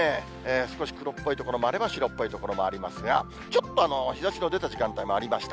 少し黒っぽい所もあれば、白っぽい所もありますが、ちょっと日ざしの出た時間帯もありました。